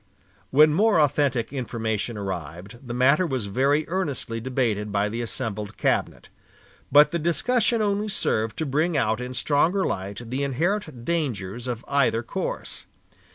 When more authentic information arrived, the matter was very earnestly debated by the assembled cabinet; but the discussion only served to bring out in stronger light the inherent dangers of either course.